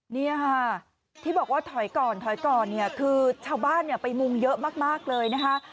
นี่ค่ะที่บอกว่าถอยก่อนถอยก่อนเนี่ยคือชาวบ้านไปมุงเยอะมากเลยนะคะ